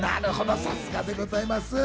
さすがでございます。